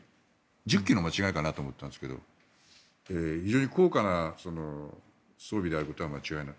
１０基の間違えかなと思ったんですが非常に高価な装備であることは間違いない。